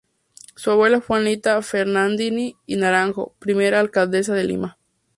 Su abuela fue Anita Fernandini de Naranjo, primera alcaldesa de Lima.